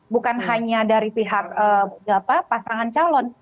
bukan hanya dari pihak pasangan calon